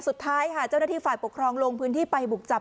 สุดท้ายค่ะเจ้าหน้าที่ฝ่ายปกครองลงพื้นที่ไปบุกจับ